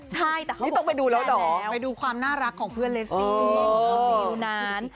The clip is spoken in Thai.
ใช่แต่เขาบอกว่าเป็นแม่แล้วไปดูความน่ารักของเพื่อนเรสซิ่ง